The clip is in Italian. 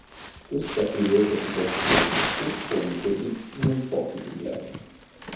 Questa curiosa situazione fu fonte di non pochi problemi.